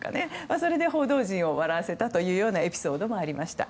それで報道陣を笑わせたというエピソードもありました。